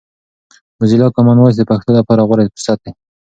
موزیلا کامن وایس د پښتو لپاره غوره فرصت دی.